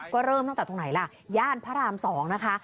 ก็เริ่มตั้งแต่ตรงไหนล่ะย่านพระราม๒นะคะ